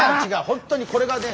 本当にこれがね